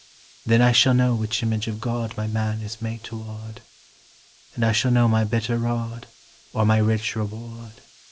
Then I shall know which image of God My man is made toward, And I shall know my bitter rod Or my rich reward.